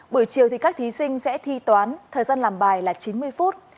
buổi chiều thì các thí sinh sẽ thi toán thời gian làm bài là chín mươi phút